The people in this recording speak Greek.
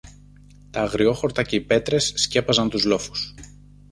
Τ' αγριόχορτα και οι πέτρες σκέπαζαν τους λόφους